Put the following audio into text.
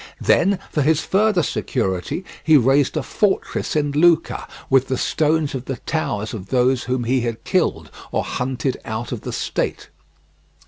Then for his further security he raised a fortress in Lucca with the stones of the towers of those whom he had killed or hunted out of the state.